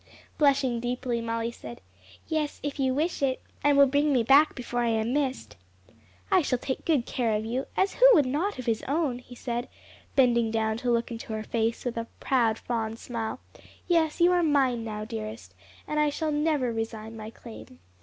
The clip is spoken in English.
Blushing deeply, Molly said, "Yes, if you wish it, and will bring me back before I am missed." "I shall take good care of you, as who would not of his own?" he said, bending down to look into her face with a proud, fond smile; "yes, you are mine now, dearest, and I shall never resign my claim.